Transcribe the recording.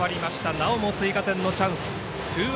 なおも追加点のチャンス。